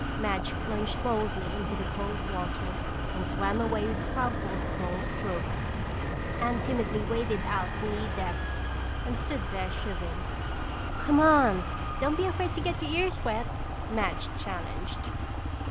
Madge plunged boldly into the cold water and swam away with powerful crawl strokes. Anne timidly waded out knee depth and stood there shivering. "Come on, don't be afraid to get your ears wet!" Madge challenged.